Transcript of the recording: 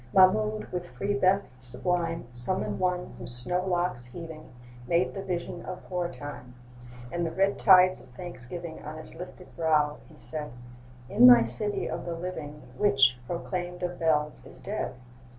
Mahmoud, with free breath sublime, Summoned one whose snow locks heaving Made the vision of hoar Time; And the red tides of thanksgiving On his lifted brow, he said: 'In my city of the living, Which, proclaimed of bells, is dead?